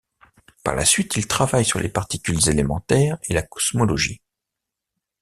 Par la suite, il travaille sur les particules élémentaires et la cosmologie.